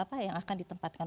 apa yang akan ditempatkan